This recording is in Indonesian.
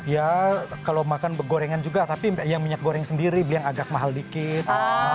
ya kalau makan gorengan juga tapi yang minyak goreng sendiri beli yang agak mahal dikit